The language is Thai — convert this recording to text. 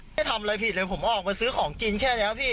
ทำอะไรผิดเลยผมออกมาซื้อของกินแค่นี้พี่